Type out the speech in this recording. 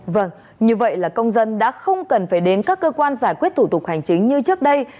vâng như vậy là công dân đã không cần phải đến các cơ quan giải quyết thủ tục hành chính như trước đây